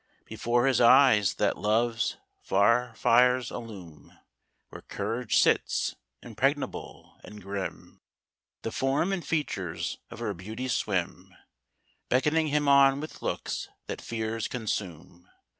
Before his eyes that love's far fires illume Where courage sits, impregnable and grim The form and features of her beauty swim, Beckoning him on with looks that fears consume.